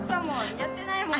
やってないもん。